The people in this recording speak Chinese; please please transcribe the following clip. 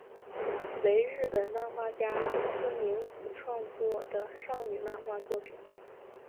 为日本漫画家东村明子创作的少女漫画作品。